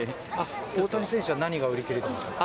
大谷選手は何が売り切れていましたか？